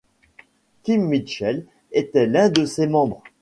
Kim Mitchell était l'un de ses membres.